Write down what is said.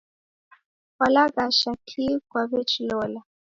Kwalaghasha ki kwawechilola?